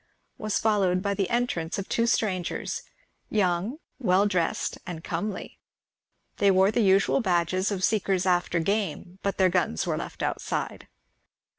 was followed by the entrance of two strangers, young, well dressed, and comely. They wore the usual badges of seekers after game, but their guns were left outside.